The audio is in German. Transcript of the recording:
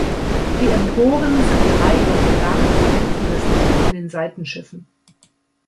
Die Emporen sind drei Joche lang und dämpfen das Licht in den Seitenschiffen.